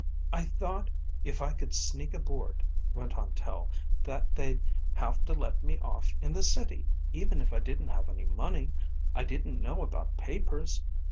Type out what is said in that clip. "I thought if I could sneak aboard," went on Tel, "that they'd have to let me off in the City, even if I didn't have money. I didn't know about papers.